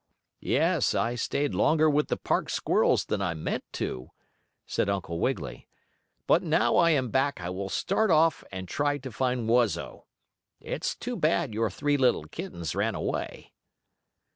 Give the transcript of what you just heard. "Yes, I stayed longer with the park squirrels than I meant to," said Uncle Wiggily. "But now I am back I will start off and try to find Wuzzo. It's too bad your three little kittens ran away."